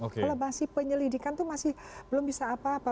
kalau masih penyelidikan itu masih belum bisa apa apa